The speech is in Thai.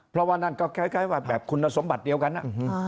เพราะว่านั่นก็คล้ายว่าแบบคุณสมบัติเดียวกัน